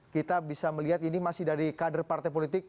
kita bisa melihat ini masih dari kader partai politik